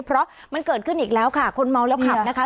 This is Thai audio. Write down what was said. เพราะมันเกิดขึ้นอีกแล้วค่ะคนเมาแล้วขับนะคะ